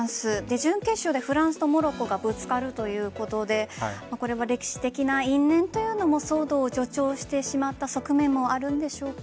準決勝でフランスとモロッコがぶつかるということでこれは歴史的な因縁というのも騒動を助長してしまった側面もあるんでしょうか。